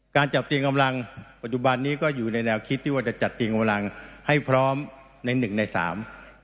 การจัดเตียงกำลังปัจจุบันนี้ก็อยู่ในแนวคิดที่ว่าจะจัดเตียงกำลังให้พร้อมในหนึ่งในสาม